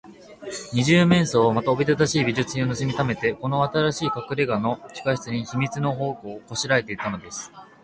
二十面相は、また、おびただしい美術品をぬすみためて、この新しいかくれがの地下室に、秘密の宝庫をこしらえていたのです。